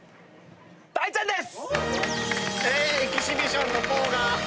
大ちゃんです！